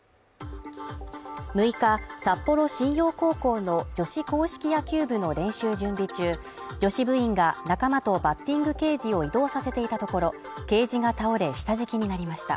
６日札幌新陽高校の女子硬式野球部の練習準備中、女子部員が仲間とバッティングケージを移動させていたところ、ケージが倒れ下敷きになりました。